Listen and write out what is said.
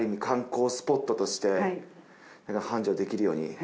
観光スポットとして繁盛できるように。